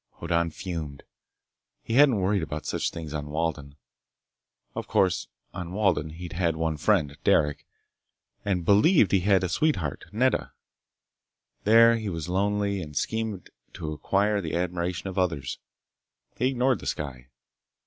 Hoddan fumed. He hadn't worried about such things on Walden. Of course, on Walden he'd had one friend, Derec, and believed he had a sweetheart, Nedda. There he was lonely and schemed to acquire the admiration of others. He ignored the sky.